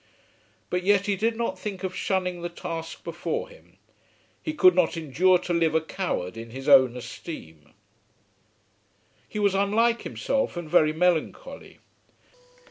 But yet he did not think of shunning the task before him. He could not endure to live a coward in his own esteem. He was unlike himself and very melancholy.